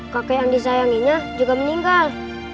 kakek yang disayanginya juga meninggal